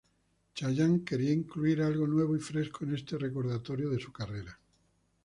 Chayanne quería incluir algo nuevo y fresco en este recordatorio de su carrera.